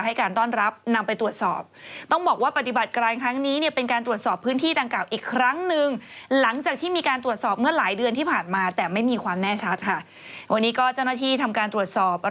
ให้การต้อนรับนำไปตรวจสอบ